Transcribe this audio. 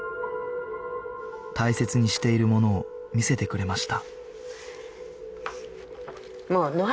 大切にしているものを見せてくれました